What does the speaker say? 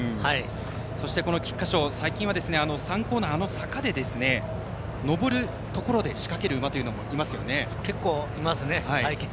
そして、この菊花賞３コーナー、あの坂で上るところで仕掛ける結構、いますね。